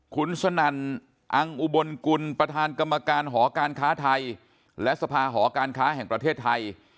คุณสนั่นอังอุบลกุลประธานกรรมการหอการค้าไทยและสภาหอการค้าแห่งประเทศไทย